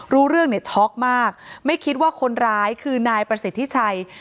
รู้เรื่องเนี่ยช็อกมากไม่คิดว่าคนร้ายคือนายประสิทธิชัย